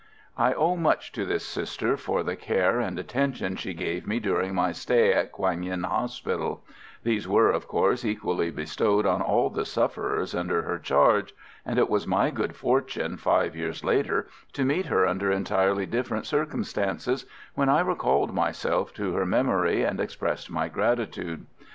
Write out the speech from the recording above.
I owe much to this Sister for the care and attention she gave me during my stay in Quang Yen hospital these were, of course, equally bestowed on all the sufferers under her charge and it was my good fortune, five years later, to meet her under entirely different circumstances, when I recalled myself to her memory and expressed my gratitude.